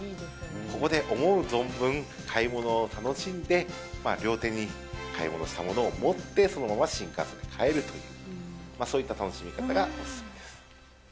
ここで思う存分買い物を楽しんで、両手に買い物したものを持って、そのまま新幹線で帰るという、そういった楽しみ方がお勧めです。